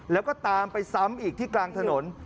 แล้วก็ตามไปซ้ำอีกที่กลางถนน